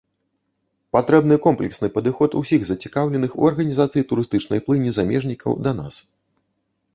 Патрэбны комплексны падыход усіх зацікаўленых у арганізацыі турыстычнай плыні замежнікаў да нас.